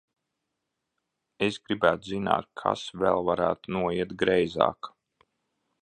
Es gribētu zināt, kas vēl varētu noiet greizāk!